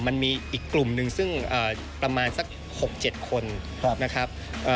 มันมีอีกกลุ่มหนึ่งซึ่งประมาณสัก๖๗คนนะครับ